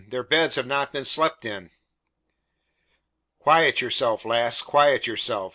Their beds have not been slept in." "Quiet yourself, lass, quiet yourself.